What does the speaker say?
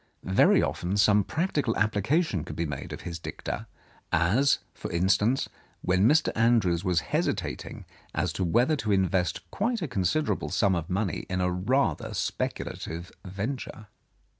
Very often some practical application could be made of his dicta, as, for instance, when Mr. Andrews was hesi tating as to whether to invest quite a considerable sum of money in a rather speculative venture.